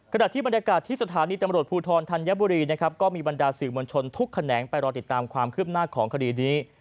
ขณะที่บรรยากาศที่สถานีตำรวจภูทรธัญบุรีนะครับก็มีบรรดาสื่อมวลชนทุกแขนงไปรอติดตามความคืบหน้าของคดีนี้